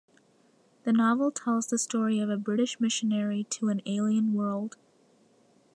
The novel tells the story of a British missionary to an alien world.